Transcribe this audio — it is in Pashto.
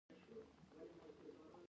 د خپلوانو سره مرسته کول ثواب دی.